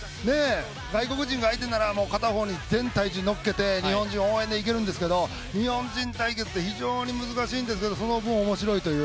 外国人が相手なら、片方に全体重乗っけて日本人応援でいけるんですけれども、日本人対決って、非常に難しいんですけど、その分面白いという。